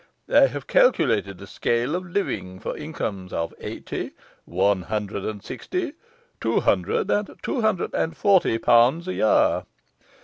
I have calculated a scale of living for incomes of eighty, one hundred and sixty, two hundred, and two hundred and forty pounds a year.